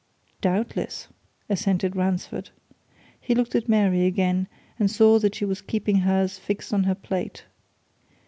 "Doubtless!" assented Ransford. He looked at Mary again, and saw that she was keeping hers fixed on her plate.